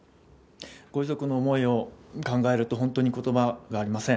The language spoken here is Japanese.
ご遺族の思いを考えると、本当にことばがありません。